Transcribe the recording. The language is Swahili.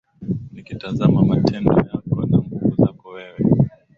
Nikitazama matendo yako na nguvu zako wewe